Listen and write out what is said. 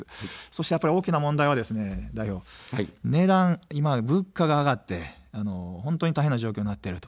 そして大きな問題は代表、値段、物価が上がって、大変な状況になっている。